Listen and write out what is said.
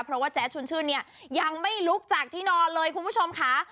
เพราะว่าแจ๊ดชุนชื่นเนี่ยยังไม่ลุกจากที่นอนเลยคุณผู้ชมค่ะ